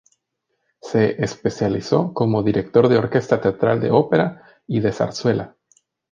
Se especializó como director de orquesta teatral de ópera y de zarzuela.